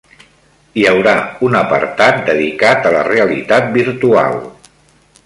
Hi haurà un apartat dedicat a la realitat virtual.